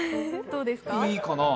いいかな？